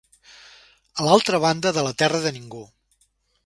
A l'altra banda de la terra de ningú